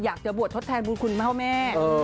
อยากจะบวชทธานมภูมิคุณพระพระม่าน